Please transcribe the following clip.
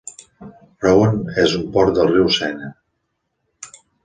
Rouen és un port del riu Sena.